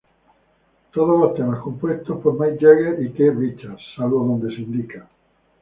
Todos los temas compuestos por Mick Jagger y Keith Richards, salvo donde se indica.